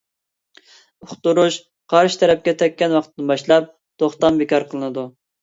ئۇقتۇرۇش قارشى تەرەپكە تەگكەن ۋاقىتتىن باشلاپ توختام بىكار قىلىنىدۇ.